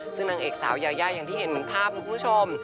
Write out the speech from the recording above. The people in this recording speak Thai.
ซึ่งนางเอกสาวยาวอย่างที่เห็นภาพของคุณผู้ชม